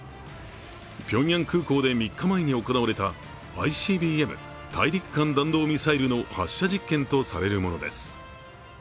ピョンヤン空港で３日前に行われたＩＣＢＭ＝大陸間弾道ミサイルの発射実験とされるものです。